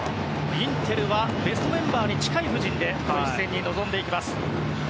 インテルはベストメンバーに近い布陣でこの一戦に臨みます。